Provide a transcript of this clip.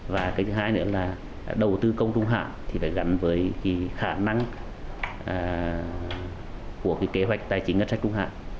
và cái thứ hai nữa là đầu tư công trung hạn thì phải gắn với cái khả năng của cái kế hoạch tài chính ngân sách trung hạn